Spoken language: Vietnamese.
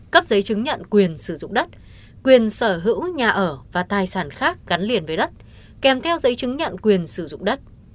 cấp giấy chứng nhận quyền sử dụng đất quyền sở hữu nhà ở và tài sản khác gắn liền với đất kèm theo giấy chứng nhận quyền sử dụng đất